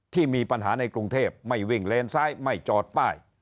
ที่มีปัญหาในกรุงเทพไม่วิ่งเลนซ้ายไม่จอดป้าย